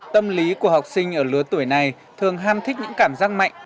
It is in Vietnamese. tâm lý của học sinh ở lứa tuổi này thường ham thích những cảm giác mạnh